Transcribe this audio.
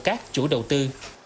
các chủ đầu tư